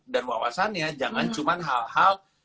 dan wawasannya jangan cuman hal hal